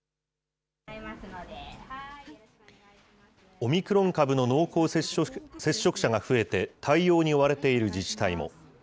オミクロン株の濃厚接触者が増えて、対応に追われている自治体も。